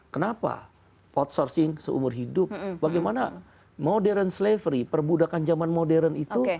kenapa outsourcing seumur hidup bagaimana modern slavery perbudakan zaman modern itu